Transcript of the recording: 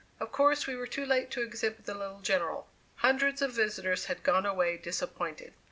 Of course we were too late to exhibit the little General. Hundreds of visitors had gone away disappointed.